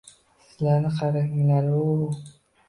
Sizlarni qaranglaru...